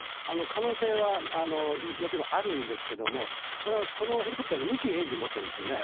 可能性はもちろんあるんですけれども、これはこのヘリコプターって２機エンジン持ってるんですよね。